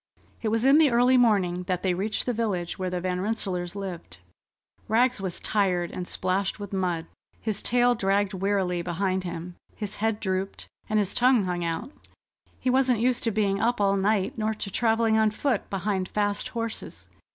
It was in the early morning that they reached the village where the Van Rensselaers lived. Rags was tired and splashed with mud. His tail dragged wearily behind him, his head drooped, and his tongue hung out. He wasn't used to being up all night, nor to travelling on foot behind fast horses.